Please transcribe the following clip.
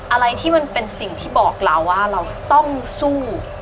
อะไรที่มันเป็นสิ่งที่บอกเราว่าเราต้องสู้